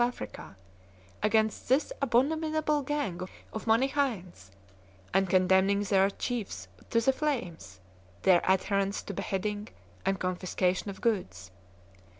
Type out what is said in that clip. Africa, against this abominable gang of Manicbaeans, and condemning their chiefs to the Hames, their adherents to beheading and confiscation of goods.